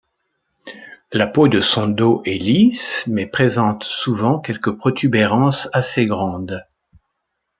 La peau de son dos est lisse mais présente souvent quelques protubérances assez grandes.